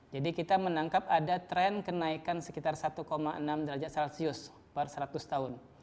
jadi kita menangkap ada tren kenaikan sekitar satu enam derajat celcius per seratus tahun